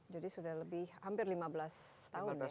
jadi sudah lebih hampir lima belas tahun ya